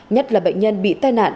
nhất là bệnh nhân bị tai nạn